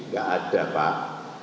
gak ada pak